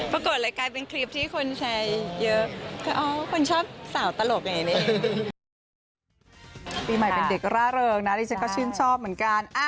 ประกดเลยกลายเป็นคลีปที่คนแชร์เยอะ